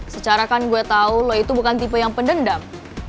secara kan gue tahu lo itu bukan tipe yang pendendam